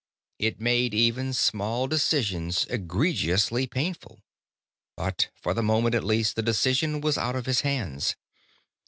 It made even small decisions egregiously painful. But for the moment at least, the decision was out of his hands.